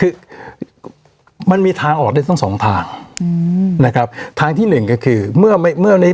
คือมันมีทางออกได้ตั้งสองทางอืมนะครับทางที่หนึ่งก็คือเมื่อไม่เมื่อใน